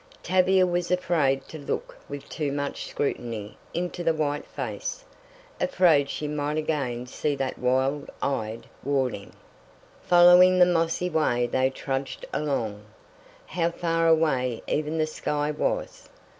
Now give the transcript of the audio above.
Tavia was afraid to look with too much scrutiny into the white face, afraid she might again see that wild eyed warning. Following the mossy way they trudged along. How far away even the sky was!